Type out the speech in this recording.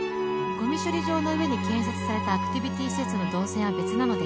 「ゴミ処理場の上に建設されたアクティビティ施設の導線は別なので」